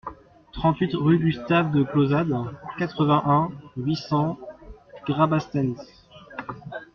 trente-huit rue Gustave de Clausade, quatre-vingt-un, huit cents, Rabastens